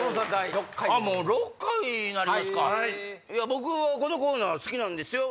僕はこのコーナー好きなんですよ。